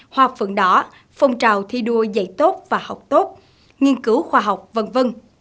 hoa phượng đỏ phong trào thi đua dạy tốt và học tốt nghiên cứu khoa học v v